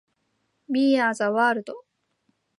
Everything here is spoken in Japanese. We are the world